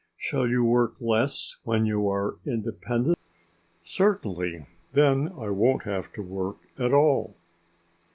Shall you work less when you are independent?" "Certainly. Then I won't have to work at all."